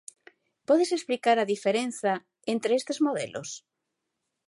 Podes explicar a diferenza entre estes modelos?